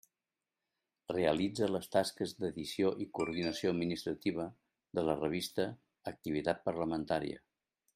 Realitza les tasques d'edició i coordinació administrativa de la revista Activitat parlamentària.